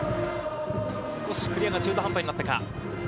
少しクリアが中途半端になったか。